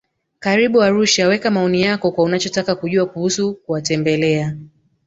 Karibu Arusha weka maoni yako kwa unachotaka kujua kuusu kuwatembelea